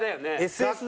ＳＳ。